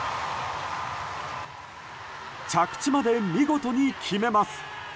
着地まで見事に決めます！